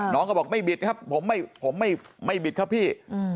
น้องก็บอกไม่บิดครับผมไม่บิดครับพี่